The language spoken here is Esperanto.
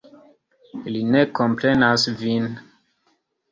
Li ne komprenas vin?